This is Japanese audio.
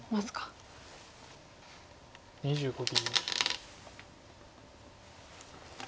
２５秒。